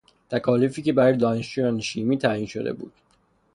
تکالیفی که برای دانشجویان شیمی تعیین شده بود